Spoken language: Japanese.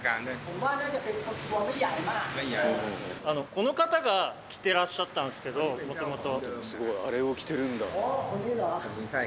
この方が着てらっしゃったんですけどもともと。